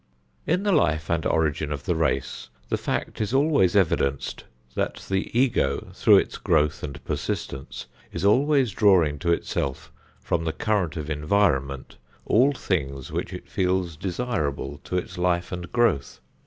In the life and origin of the race, the fact is always evidenced that the Ego through its growth and persistence is always drawing to itself from the current of environment all things which it feels desirable to its life and growth.